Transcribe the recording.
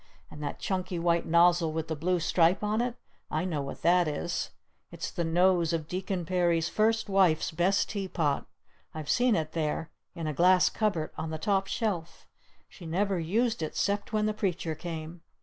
And that chunky white nozzle with the blue stripe on it? I know what that is! It's the nose of Deacon Perry's first wife's best tea pot! I've seen it there! In a glass cupboard! On the top shelf! She never used it 'cept when the Preacher came!"